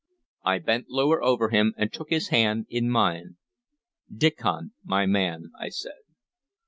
I bent lower over him, and took his hand in mine. "Diccon, my man," I said.